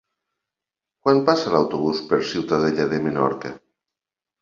Quan passa l'autobús per Ciutadella de Menorca?